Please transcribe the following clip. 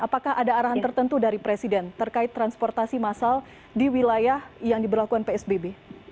apakah ada arahan tertentu dari presiden terkait transportasi massal di wilayah yang diberlakukan psbb